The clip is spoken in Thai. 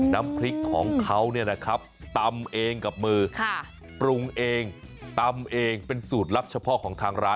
น้ำพริกของเขาเนี่ยนะครับตำเองกับมือปรุงเองตำเองเป็นสูตรลับเฉพาะของทางร้าน